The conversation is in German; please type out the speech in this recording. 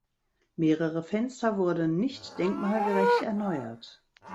Mehrere Fenster wurden nicht denkmalgerecht erneuert.